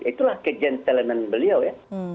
itulah kejentelmen beliau ya